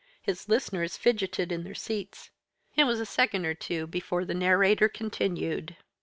His listeners fidgeted in their seats. It was a second or two before the narrator continued.